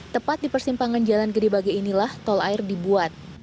tepat di persimpangan jalan gedebagi inilah tol air dibuat